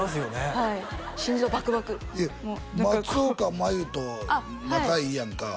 はい心臓バクバク松岡茉優と仲いいやんか？